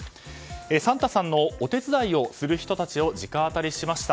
サンタさんのお手伝いをする人たちを直アタリしました。